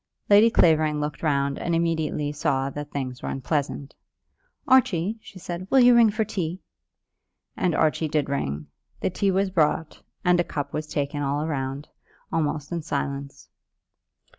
Lady Clavering looked round and immediately saw that things were unpleasant. "Archie," she said, "will you ring for tea?" And Archie did ring. The tea was brought, and a cup was taken all round, almost in silence.